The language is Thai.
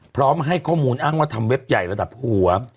พร้อมให้ข้อมูลอ้างว่าทำเว็บใหญ่ระดับหัว